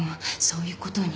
そういうことに。